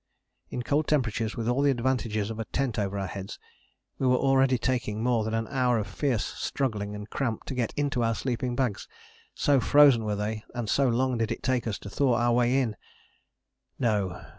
In cold temperatures with all the advantages of a tent over our heads we were already taking more than an hour of fierce struggling and cramp to get into our sleeping bags so frozen were they and so long did it take us to thaw our way in. No!